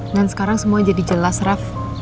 dan sekarang semua jadi jelas raff